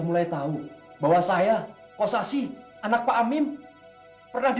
jika widu atau pak an sayang pasti dianggap seperti tempat penjaja geli